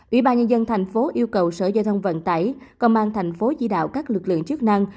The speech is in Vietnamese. ủy ban nhân dân thành phố yêu cầu sở giao thông vận tải công an thành phố chỉ đạo các lực lượng chức năng